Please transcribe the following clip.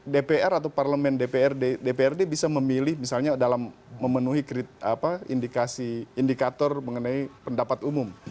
dpr atau parlemen dprd bisa memilih misalnya dalam memenuhi indikator mengenai pendapat umum